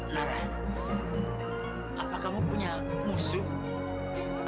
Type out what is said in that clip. nara apa kamu punya musuh